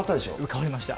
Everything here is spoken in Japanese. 変わりました。